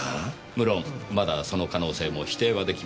無論まだその可能性も否定は出来ませんが。